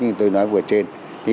như tôi nói vừa trên